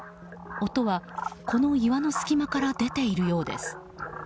音はこの岩の隙間から出ているようです。